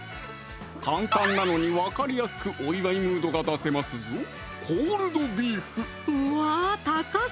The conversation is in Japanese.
簡単なのに分かりやすくお祝いムードが出せますぞうわ高そう！